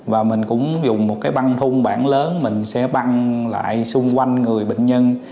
và mình cũng dùng một cái băng thun bảng lớn mình sẽ băng lại xung quanh người bệnh nhân